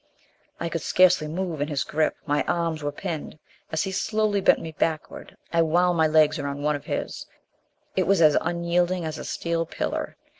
I could scarcely move in his grip. My arms were pinned. As he slowly bent me backward, I wound my legs around one of his: it was as unyielding as a steel pillar.